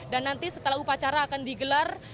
dan nanti setelah upacara akan digelar